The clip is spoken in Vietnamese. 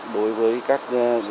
đối với các